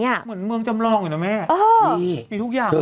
เหมือนเมืองจำลองอยู่นะแม่มีทุกอย่าง